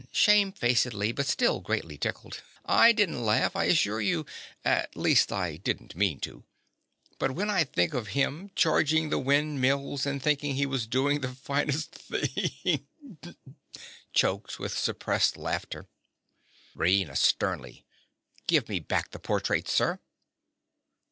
(shamefacedly, but still greatly tickled). I didn't laugh, I assure you. At least I didn't mean to. But when I think of him charging the windmills and thinking he was doing the finest thing—(chokes with suppressed laughter). RAINA. (sternly). Give me back the portrait, sir.